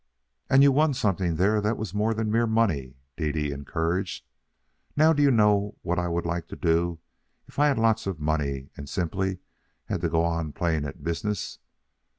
"And you won something there that was more than mere money," Dede encouraged. "Now do you know what I would do if I had lots of money and simply had to go on playing at business?